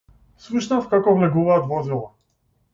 Слушнав како влегуваат возила.